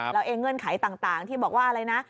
แล้วเงื่อนไขต่างที่บอกว่าอะไรนะ